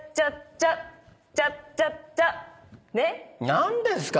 何ですか？